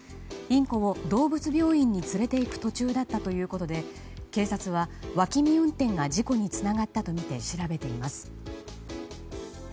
インコを動物病院に連れていく途中だったということで警察は脇見運転が事故につながったとみて調べています。